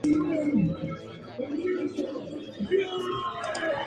El nombre del cóctel viene del nombre de la destilería "Red Lion".